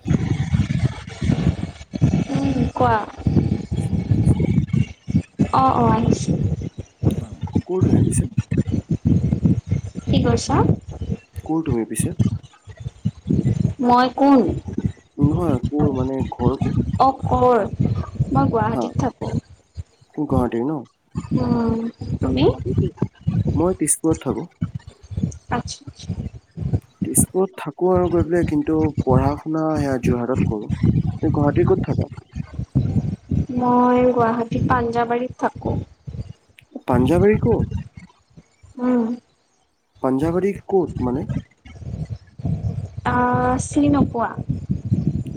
Hello উম কোৱা চাব লাগিছে অঁ অ অ কত আহি পাছে কি কৈছা ক তুমি পিছে মই কোন নহয় কৰ মানে ঘৰ ক'ত অ কৰ মই গুৱাহাটীত থাকোঁ কোন গুৱাহাটী ন উ তুমি ক'ত থাক আচ্ছা আচ্ছা তেজপুৰত থাকো আৰু গৈ পেলাই কিন্তু পঢ়া শুনা সেয়া যোৰহাটত কৰো। তুমি গুৱাহাটী কত থাকা। মই গুৱাহাটী পাঞ্জাবাৰীত থাকোঁ পাঞ্জাবাৰী কত অঁ পাঞ্জাবাৰী ক'ত মানে অ চিনি নোপোৱা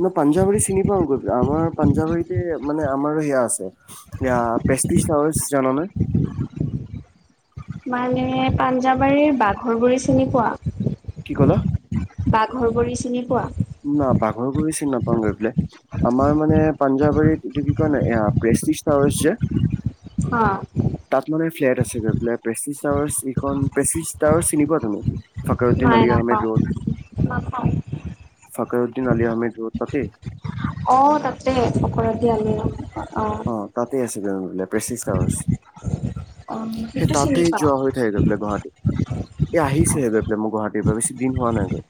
ন পাঞ্জাৱাৰী চিনি পাওগৈ আমাৰ পাঞ্জাৱাৰীতে মানে আমাৰো সেয়া আছে সেয়া প্ৰেষ্টিছ আৱাৰছ জাননে মানে পাঞ্জাৱাৰীৰ বাঘৰবুৰি চিনি পোৱা কি ক'লা বাঘৰবুৰি চিনি পোৱা না বাঘৰবুৰি চিনি নাপাওঁগৈ পেললে আমাৰ মানে পাঞ্জাৱৰীত এইটো কি কয় নাই এ প্ৰেষ্টিচ আৱাৰজ যে হ তাত মানে ফ্লেট আছে গৈ পেলাইে প্ৰেষ্টিটাৱাৰ এইখন প্ৰেষ্টিটাৱাৰ চিনি পোৱা তুমি ফকৰুদ্দিন নাই আলি আহমেদ নাখাওঁ ৰোড নাখাওঁ ফকৰুদ্দিন আলি আহমেদ ৰোড তাতে অ তাতে সকলো [unintelligible] অঁ প্ৰেচিচ আৱাজ অ সেই সেইটো চিনি তাতে পাওঁ যোৱা হৈ থাকে গৈ পাই গুৱাহাটীত এ অ আহিছোহে গৈ পেলাই মই গুৱাহাটী বেছি দিন হোৱা নাগে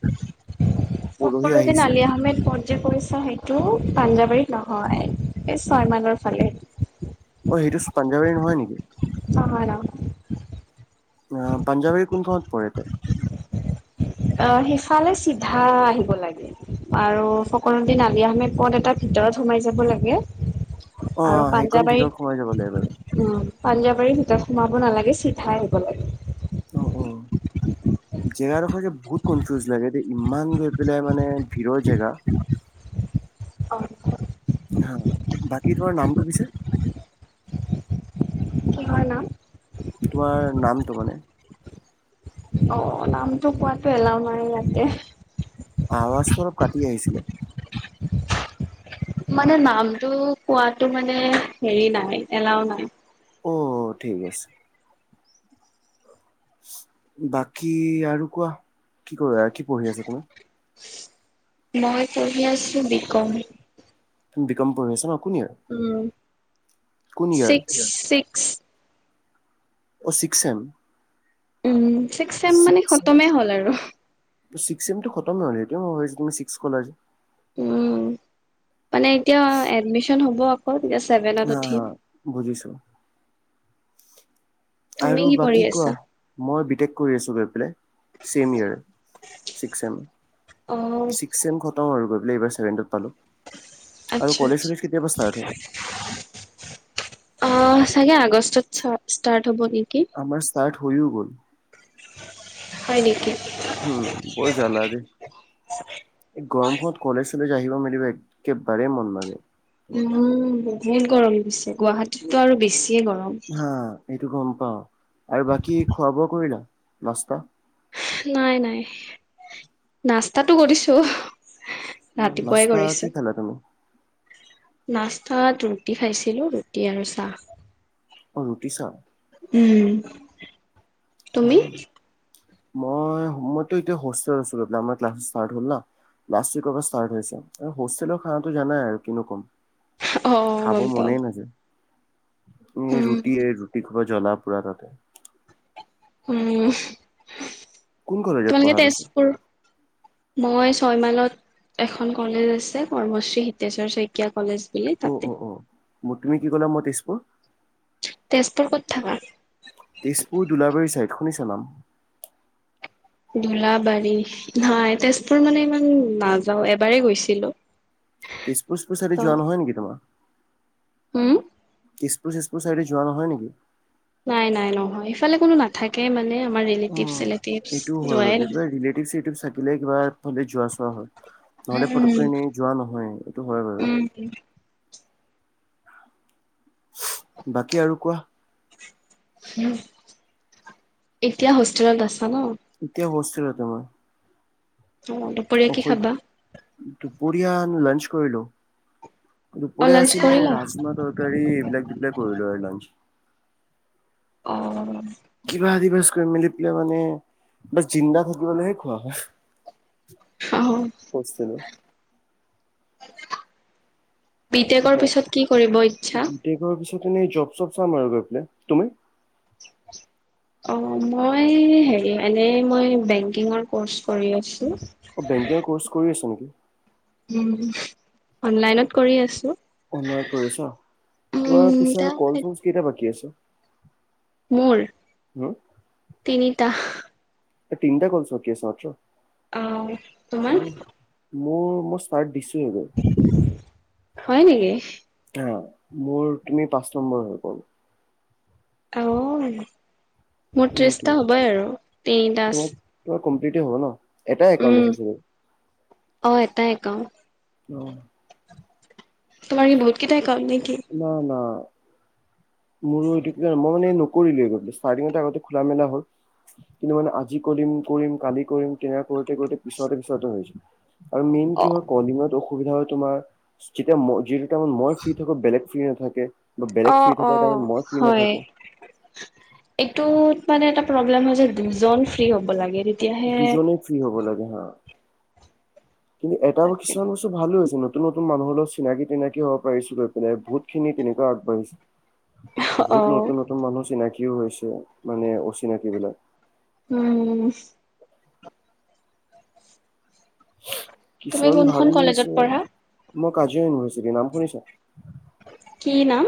সকলো যেন আলি আহমেদ পৰ্যায় কৰিছা সেইটো পাঞ্জাৱাৰীত নহয় এই ছয়মাইলৰ ফালে অ সেইটো পাঞ্জবী নহয় নেকি। অ নহয় নহয় আহ পাঞ্জাৱী কোনখনত পঢ়তে অ সিফালে চিধা আহিব লাগে আৰু সকলো দিন আলি আহমে পদ এটা ভিতৰত সোমাই যাব লাগে অ আৰু সেইখন ভিতৰত সোমাই যাব লাগে বাৰু পাঞ্জাবাৰীত পাঞ্জাবাৰীৰ ভিতৰত সোমাব নালাগে চিধাই আহিব লাগে। অ অ জেগাডোখৰ যে বহুত কনফিউজ লাগে এ ইমান গৈ পেলাই মানে ভিৰৰ জেগা [inaudible] অ হা বাকী তোমাৰ নামটো পিছে কিহৰ নাম তোমাৰ নামটো মানে অ নামটো কোৱাতো এলাও নাই ইয়াতে আৱাজটো অলপ কাটি আহিছিলে মানে নামটো কোৱাতটো মানে হেৰি নাই এলাও নাই অ ঠিক আছে বাকী আৰু কোৱা কি কৰা কি পঢ়ি আছা মই পঢ়ি আছোঁ বিকম বিকম পঢ়ি আছা ন কোন ইয়াৰ? উ কোন ইয়াৰ? চিস্ক চিস্ক অ' six sem um six sem মানে খতমেই হ'ল আৰু ছিক্স ছেমটো খতমে হল এটো মই তুমি ছিক্স কলা যে উম মানে এতিয়া এডমিশন হব আকৌ তেতিয়া ছেভেনত হা উঠিম হা বুজিছো তুমি আৰু কি কৰি বাকী কোৱা আছা মই বিটেক কৰি আছো গৈ পেলাই চেমৰ ছিক্স এম অ ছিক্স এম খতম আৰু গৈ পেলাই এইবাৰভেনটত পালোঁ আৰু আচ্ছা কলেজ আচ্ছা চলেজ কেতিয়াৰ পৰা ষ্টাৰ্ট হয়? অ চাগে আগষ্টত চ ষ্টাৰ্ট হ'ব নিকি আমাৰ ষ্টাৰ্ট হৈও গ'ল হয় নেকি উম বৰ জাল আজি এই গৰমখনত কলেজ চ যায় জৱ মেলিব একেবাৰে মন নাযায় গ উম বহুত গৰম গছে গুৱাহাটীতো আৰু বেছি হা এইটো গম পাও আৰু বাকী খোৱা বোৱা কৰিলা নাস্তা নাই নাই নাস্তাটো কৰিছো। ৰাতিপুৱাই নাস্তা কি কৰিছো খালা তুমি? নাস্তাত ৰুটি খাইছিলো ৰুটি আৰু চাহ অ ৰুটি চাহ উম তুমি উম, মই মইতো এতিয়া হোষ্টেল আছিলো আমাৰ ক্লাছ ষ্টাৰ্ট হ'ল না লাষ্ট উইকৰ পৰা ষ্টাৰ্ট হৈছে হোষ্টেলৰ খটো জানাই আৰু কিনো কম অ খাব গম পাও মনেই নাযায়। উম ৰুটি এই ৰুটি খোৱা জ্বলা পোৰা এটা দে। উম কোন কলেজত তোমালোকে পঢ়া পিছে? তেজপুৰ মই। ছয়মাইলত এখন কলেজ আছে কৰ্মশ্ৰী হিতেশ্বৰ শইকীয়া কলেজ। বুলি অ তাতে। অ অ ম তুমি কি ক'লা মই তেজপুৰ। তেজপুৰ ক'ত থাকা। চলাম। দোলাবাৰী নাই তেজপুৰ মানে ইমান নাযাও এবাৰেই গৈছিলোঁ। তেজপুৰ পুছ চাইতে যোৱা নহয় নেকি তোমাৰ। হুম। তেচপুৰ চেচপুৰ চাইডে যোৱা নহয় নেকি। নাই নাই নহয় সিফালে কোনো নাথাকে মানে। আমাৰ ৰিলেটিভ অ', চিলেটিভ এইটো হৈ গ'ল যোৱাই বুলি কিবা নহয়। ৰিলেটিভ চিলেটিভ থাকিলে কিবা ফাল যোৱা চোৱা হয়। নহ'লে উম ফটকনে যোৱা নহয় এইটো হয় বাৰু। উম বাকী আৰু কোৱা। এতিয়া হোষ্টেলত আছোঁ। এতিয়া বাছিলে তোমাৰ। অ দুপৰীয়া কি খাবা। দুপৰীয়া লাঞ্চ কৰিলোঁ। অ দুপৰীয়া লাঞ্চ আছিলে কৰিলা? ৰাজমা তৰকাৰী এইবিলাক দি পিলাক কৰিলো আৰু লাঞ্চ। অ। কিবা দিবাজ মেলি পেলাই মানে বচ জিন্দা থাকিবলৈহে খোৱা হয়। অ পচেল। বিটেকৰ বা- পিছত কি কৰিব ইচ্ছা। বিটেকৰ পিছত জব চব চাম আৰু গৈ পেলাই তুমি। অ মই হেৰি এনেই মই বেংকিঙৰ ক'ৰ্চ কৰি আছোঁ। অ' বেংকিঙৰ কৰ্চ কৰি আছা নেকি? উম অনলাইনত কৰি আছোঁ। অনলাইন কৰিছ তোমাৰ উম পিছ কল এতিয়া কেইটা বাকী আছে। মোৰ তিনিটা। এ তিনিটা কল চকিয়েছচো। আ তোমাৰ। মোৰ মই ইচটাত দিছোঁয়ে। হয় নেকি। হা মোৰ তুমি পাঁচ নম্বৰ হৈ গ'ল। আহ মোৰ ত্ৰিশটা সেইটোৱে। হ'বই আৰু তিনিটাচ। তোমাৰ তোমাৰ কমপ্লিটে হ'ব ন এটাই একাউণ্ট আছে চাগে। ক। অ। তোমাৰ বহুত কেইটা। একাউণ্ট নেকি? না না। মোৰো এই দিগডাৰ মই মানে নকৰিলোঁয়ে একোটো ষ্টাৰডিং আগতে খোলা মেলা হ'ল। কিন্তু মানে আজি কৰিম কৰিম কালি কৰিম কে আৰু। সেই গতিকে পিছাওতে পিছাওতে হৈছে আৰু মেইন কি অ হয় কলিঙত অসুবিধা। সুবিধা হয় তোমাৰ যেতিয়া যিটো টাইমত মই ফ্ৰী। বেছিয়ে থাকে। অ অ হয় এইটোত মানে এটা প্ৰব্লেম হয় যে। দুজন ফ্ৰী হ'ব লাগে। তেতিয়াহে দুজনেই ফ্ৰী হ'ব লাগে হা। কিন্তু এটাও কিছুমান বস্তু ভালো হৈছে। নতুন-নতুন মানুহৰ লগত চিনাকি-তিনাকি হ'ব পিৰিছো গৈ পিনে, বহুতখিনি তেনেকুৱা আগবাঢ়িছে। অ বহুত নতুন-নতুন মানুহ চিনাকিও হৈছে, মানে অচিনাকী বিলাক। উম' তুমি কিছুমান কোনখন ভালো কলেজত হৈছে, পঢ়া মই কাজিয়া ইউনিভাৰচিটিৰ নাম শুনিছা? কি নাম?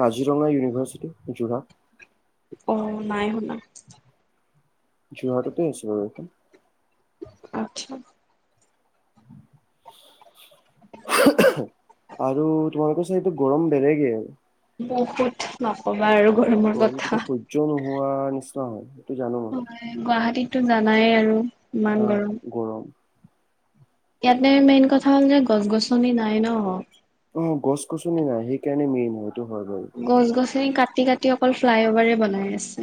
কাজিৰঙা ইউনিভাৰ্ছিটি যোৰহাট। অ', নাই শুনা যোৰহাটতেই আছে বাৰু এখন। আচ্ছা। আৰু তোমালোকৰ চা এইটো গৰম বেলেগে। বহুত নক গৰমটো সহ্য নোহোৱাৰ নিচিনা হয়। জানো মই। হয়, গুৱাহাটীতটো জানাই আৰু। ইমান আহ' গৰম। গৰম। ইয়াতে মেইন কথা হ'ল যে গছ-গছনি নাই ন। অ' গছ-গছনি নাই সেইকাৰণে মেইন হৈয়টো হয় বাৰু। কাটি-কাটি অকল ফ্লাই অভাৰে বনাই আছে।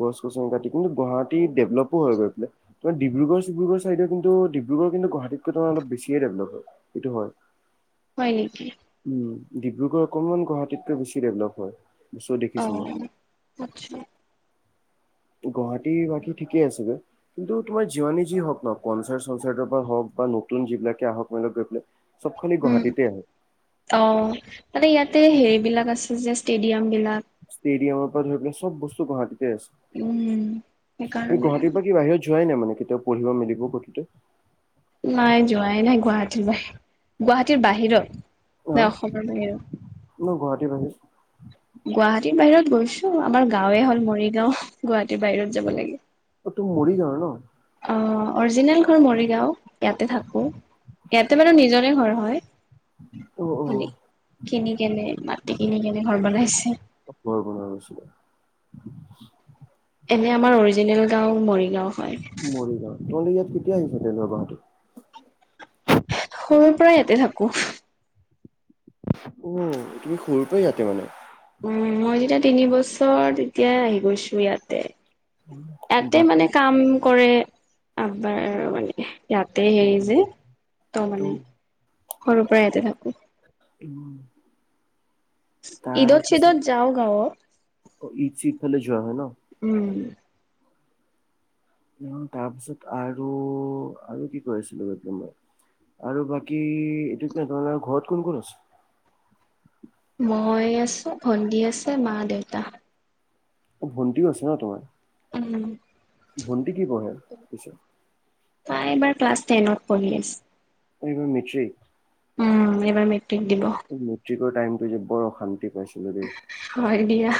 গছ-গছন কাটি কিন্তু গুৱাহাটী ডেভেলপো হয় গৈ পেলাই, তাপা ডিব্ৰুগড়-চিব্ৰুগড় চাইডে কিন্তু ডিব্ৰুগড় কিন্তু গুৱাহাটীতকৈ ত' অলপ বেছিয়ে ডেভেলপ হ'ল সৈইটো হয়। হয় নেকি? উম ডিব্ৰুগড় অকণমান গুৱাহাটীতকৈ বেছি ডেভলপ হয়। বস্তু দেখিছো মই অহ' আচ্ছা গুৱাহাটী বাকী ঠিকেই আছেগে, কিন্তু তোমাৰ যিমানি যি হওঁক ন কনচাৰ্ট-চনচাৰ্টৰ পৰা হওঁক বা নতুন যিবিলাকে আহক মনে গৈ পেলাই চব খালি উম' গুৱাহাটীতে আহে অ' মানে ইয়াতে হেৰিবিলাক আছে যে ষ্টেডিয়াম বিলাক। ষ্টেডিয়ামৰ পৰা ধৰি পেনি চব বস্তু গুৱাহা তুমি উম। সেইকাৰণে গুৱাহাটীৰ পৰা কি বাহিৰত যোৱাই নাই মানে কেতিয়াও পঢ়িব মেলিব গতে নাই যোৱাই নাই গুৱাহাটী বাহি গুৱাহাটী টি বাহিৰত হা নে অসমৰ বাহিৰত? ন গুৱাহাটীৰ বাহিৰত গুৱাহাটীৰ বাহিৰত গৈছো। আমাৰ গাঁওৱে হ'ল মৰিগাঁও, গুৱাহাটীৰ বাহিৰত যাব লাগে। অ তুমি মৰিগাঁৱৰ ন অহ' অৰিজিনেল ঘৰ মৰিগাঁও, ইয়াতে থাকো। ইয়াতে মানে নিজনে ঘৰ। অ অ ভালে, কিনি কেনে মাটি কিনি কেনে ঘৰ বনাই। ঘৰ বনৱা হৈছে। এনে আমাৰ অৰিজিনেল গাঁও, মৰিগাঁও হয়। তোমালোকে ইয়াত কেতিয়া আহিছে তে গুৱাহাটী সৰুৰ পৰা ইয়াতে থাকো উম' তুমি সৰু পৰাই ইয়াতে মানে? উম' মই যেতিয়া তিনি বছৰ তেতিয়াই আহি গৈছো ইয়াতে। এয়াতে মানে বাকী কাম কৰে আবাৰ মানে ইয়াতে অ হেৰি অ যে, ত' মানে সৰুৰ পৰা ইয়াতে থাকো। উম' ঈদ চিদত যাওঁ গাঁৱত। অঁ ঈদ চীদ হ'লে যোৱা হয়ে ন? উম উম' তাৰপিছত আৰু আৰু কি কৰিছিলো এই মই আৰু বাকী এইটো কি তাৰ ঘৰত কোন কোন আছে? মই আছো ভণ্টী আছে মা, দেউতা। অঁ' ভণ্টিও আছে ন তোমাৰ? উম' ভণ্টি কি পঢ়ে পিছে। তই এবাৰ ক্লাছ টেনত পঢ়ি আছো। এইব মিচেই। উম এইবাৰ মেট্ৰিক দিব। টাইম যে বৰ অশান্তি পাইছিলো দেই হয় দিয়া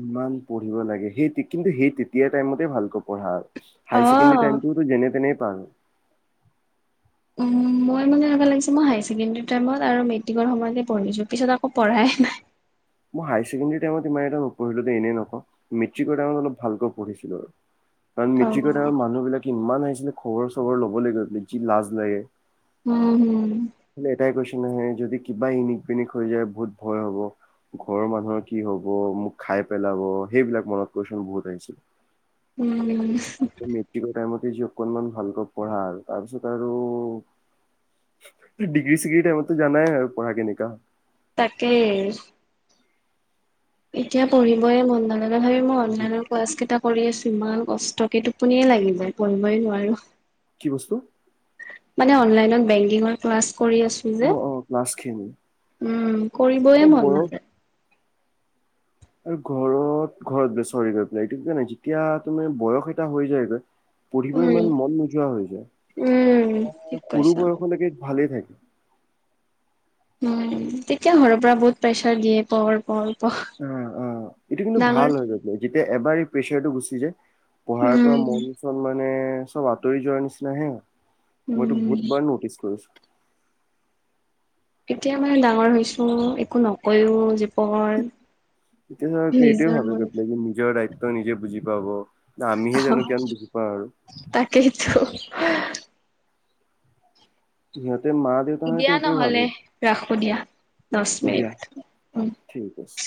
ইমান। পঢ়িব লাগে সেই কিন্তু সেই তেতিয়া টাইমতে ভালক পঢ়া। হাই অ চেকেণ্ডেৰী টাইমটো যেনে তেনে পাল। উম মই মানে হ'ব লাগিছে মই হায় ছেকেণ্ডেৰী। টাইমত আৰু মেট্ৰিকৰ সময়তে পঢ়িছো পিছত আকৌ পঢ়াই নাই। মই হায়াৰ ছেকেণ্ডৰী টাইমত ইমান এটা নপঢ়িলোঁ এনেই নক মেট্ৰিক টাইমত অলপ ভালকৈ পঢ়িছিলো, আৰু কাৰণ অ মেট্ৰিকৰ টাইমত মানুহ বিলাক ইমান আহিছিলে খবৰ চবৰ ল'বলৈ গ'লে যি লাজ লাগে। উম হম খালি এটাই কোৱেচন আহে যদি কিবা ইনিক পনিক হৈ যায় বহুত ভয় হ'ব। ঘৰৰ মানুহৰ কি হব মোক খাই পেলাব সেইবিলাক মনত কৈচোন বহুত আহিছিল। উম সেই যি অকনমান ভালকৈ পঢ়া আৰু তাৰ পিছত আৰু ডিগ্ৰী চিগ্ৰী টাইমততো জাই আৰু পঢ়া কানেকা হয় তাকে এতিয়া পঢ়িবই মন নালাগে তথাপি মই হয়। অনলাইনৰ কাছ কেইটা কৰি আছো ইমান কষ্টকে টোপনিয়ে লাগি যায় পঢ়িবই নোৱাৰো কি বস্তু মানে অনলাইনত বেংকি ক্লাছ কৰি আছো অ যে অ ক্লাছ খিনি উম এতিয়া কৰিবই মন বয়স নাযায়। আৰু ঘৰত ঘৰত বে চৰি গৈ পেলাই এইটো ক নাই যেতিয়া তুমাৰ বয়স এটা হৈ যায়গৈ। পঢ়িব উম ইমান মন নোযোৱা হৈ যায় উম ঠিক সৰু কৈছা বয়সলৈকে। ভালে থাকে উম তেতিয়া ঘৰৰ পৰা বহুত প্ৰেছাৰ দিয়ে পৰ পৰ। অ অ এইটো কিন্তু ভাল হৈ গৈ যেতিয়া এবাৰ এই প্ৰেছাৰটো গুচি যায়। পঢ়াৰ পৰা উম মন চল মানে চব আঁতৰি যোৱাৰ নিচিনা হে। মইতো উম বহুতবাৰ নটিছ কৰিছো। এতিয়া মানে ডাঙৰ হৈছো একো নকয়ও। পঢ় এতিয়া এইটোয়ে নিজৰ ভাবে মন কৰি পাই যে নিজৰ দায়িত্ব নিজে বুজি পাব। আমিহে জানো আঁহ কিমান বুজি পাওঁ আৰু তাকেইতো স দিয়া নহলে ৰাখো দিয়া। দছ দিয়া মিনিট। ঠিক আছে